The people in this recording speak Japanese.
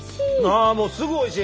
ああもうすぐおいしい。